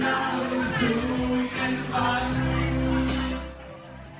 จากประธานสโมงศรอย่างมดรแป้งคุณดนทันร่ำ๓ครับ